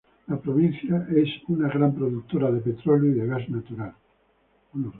La provincia es una gran productora de petróleo y de gas natural.